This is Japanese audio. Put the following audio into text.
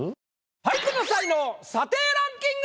俳句の才能査定ランキング！